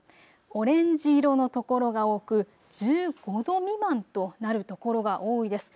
オレンジ色の所が多く１５度未満となる所が多いです。